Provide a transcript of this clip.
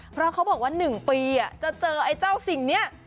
เพราะเขาบอกว่า๑ปีจะเจอไอ้เจ้าสิ่งนี้